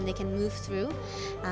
dan mereka bisa bergerak ke dalam